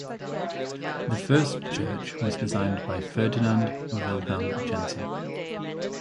The first church was designed by Ferdinand Vilhelm Jensen.